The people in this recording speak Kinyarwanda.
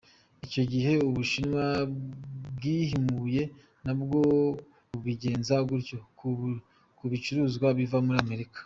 Icyo gihe Ubushinwa bwihimuye nabwo bubigenza gutyo ku bicuruzwa biva muri Amerika.